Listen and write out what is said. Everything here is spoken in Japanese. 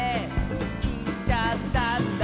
「いっちゃったんだ」